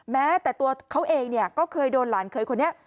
แม้แต่ตัวเขาเองเนี่ยก็เคยโดนหลานเคยคนนี้